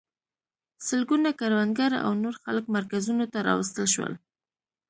سلګونه کروندګر او نور خلک مرکزونو ته راوستل شول.